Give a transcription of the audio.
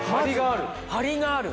張りがある！